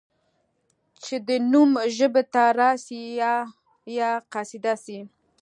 چي دي نوم ژبي ته راسي یا یا قصیده سي